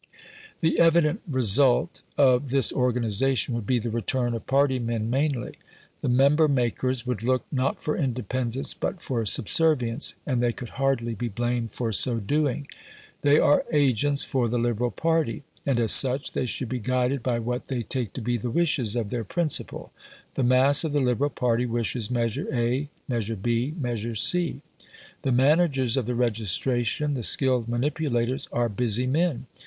The evident result of this organisation would be the return of party men mainly. The member makers would look, not for independence, but for subservience and they could hardly be blamed for so doing. They are agents for the Liberal party; and, as such, they should be guided by what they take to be the wishes of their principal. The mass of the Liberal party wishes measure A, measure B, measure C. The managers of the registration the skilled manipulators are busy men.